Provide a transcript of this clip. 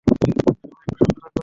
সবাই একটু শান্ত থাকুন!